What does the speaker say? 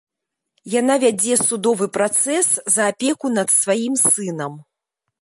Яна вядзе судовы працэс за апеку над сваім сынам.